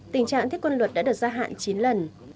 tình trạng thiết quân luật đã được gia hạn chín lần